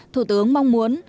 thủ tướng mong muốn